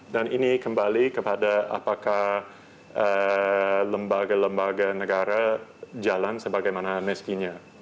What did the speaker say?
dan ini kembali kepada apakah lembaga lembaga negara jalan sebagaimana meskinya